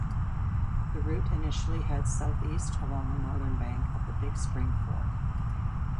The route initially heads southeast along the northern bank of the Big Spring Fork.